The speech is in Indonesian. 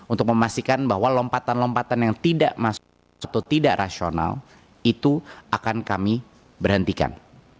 untuk memastikan bahwa lompatan lompatan yang tidak masuk atau tidak rasional itu akan kami berhentikan